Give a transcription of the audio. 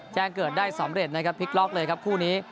แจ้งเกิดได้สำเร็จนะครับพลิกล็อกเลยครับคู่นี้